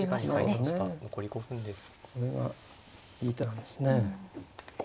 これがいい手なんですね。